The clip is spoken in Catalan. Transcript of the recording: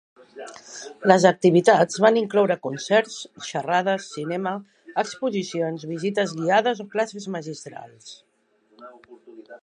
Les activitats van incloure concerts, xerrades, cinema, exposicions, visites guiades o classes magistrals.